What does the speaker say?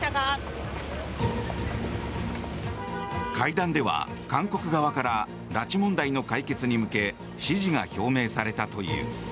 会談では韓国側から拉致問題の解決に向け支持が表明されたという。